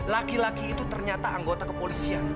laki laki itu ternyata anggota kepolisian